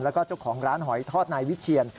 แล้วก็เจ้าของร้านหอยทอดนายวิเชียน